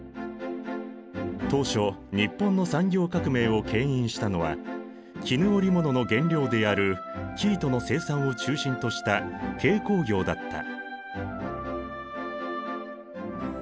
当初日本の産業革命をけん引したのは絹織物の原料である生糸の生産を中心とした軽工業だった。